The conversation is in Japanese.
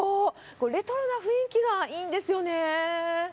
レトロな雰囲気がいいんですよね。